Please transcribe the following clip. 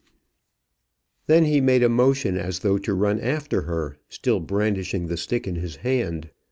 Then he made a motion as though to run after her, still brandishing the stick in his hand.